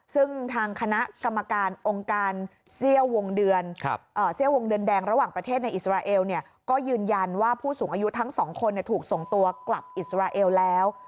ซึ่งทางคณะกรรมการองค์การเสี้ยววงเดือนเสี้ยววงเดือนแดงระหว่างประเทศในอิสราเอลเนี่ยก็ยืนยันว่าผู้สูงอายุทั้งสองคนถูกส่งตัวกลับอิสราเอลแล้ว